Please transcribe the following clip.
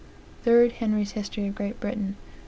3 Henry's History of Great Britain, 358.